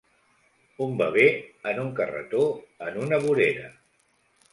Un bebè en un carretó en una vorera.